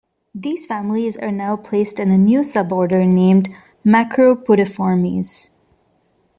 These families are now placed in a new suborder named Macropodiformes.